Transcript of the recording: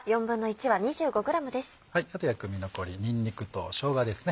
あと薬味残りにんにくとしょうがですね。